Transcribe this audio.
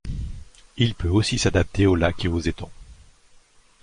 Il peut aussi s'adapter aux lacs et aux étangs.